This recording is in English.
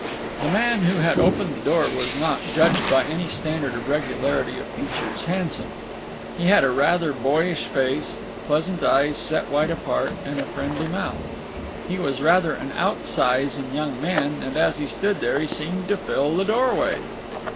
The man who had opened the door was not, judged by any standard of regularity of features, handsome. He had a rather boyish face, pleasant eyes set wide apart, and a friendly mouth. He was rather an outsize in young men, and as he stood there he seemed to fill the doorway.